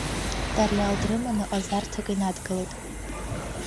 Тариал дрыманы ҟазарҭак инадгылеит.